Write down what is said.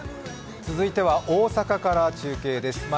続いては大阪から中継です。